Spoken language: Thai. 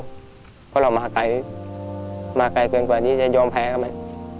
เพราะเรามาไกลมาไกลเกินกว่านี้จะยอมแพ้เข้าไป